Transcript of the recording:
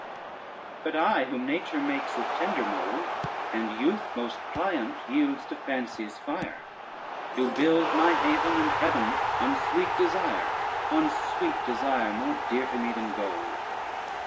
But I, whom nature makes of tender mould, And youth most pliant yields to fancy's fire, Do build my haven and heaven on sweet desire, On sweet desire, more dear to me than gold.